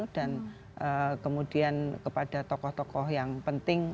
dan kemudian kepada tokoh tokoh yang penting